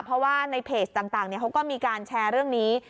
เพราะว่าในเพจต่างเขาก็มีการแชร์เรื่องนี้